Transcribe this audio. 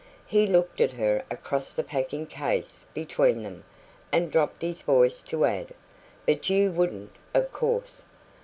He looked at her across the packing case between them, and dropped his voice to add: "But you wouldn't, of course."